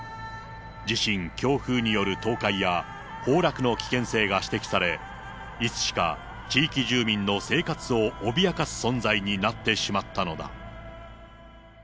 地震、強風による倒壊や、崩落の危険性が指摘され、いつしか、地域住民の生活を脅かす存在になってしまったのだ。